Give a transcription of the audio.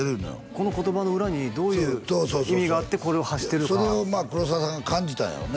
この言葉の裏にどういう意味があってこれを発してるかそれを黒沢さんが感じたんやろね